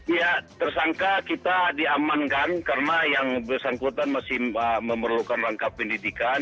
ya tersangka kita diamankan karena yang bersangkutan masih memerlukan rangkap pendidikan